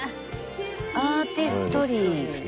アーティストリー。